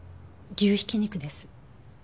牛挽き肉です。